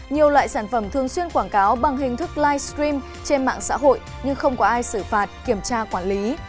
nhiều loại sản phẩm thường xuyên quảng cáo bằng hình thức livestream trên mạng xã hội nhưng không có ai xử phạt kiểm tra quản lý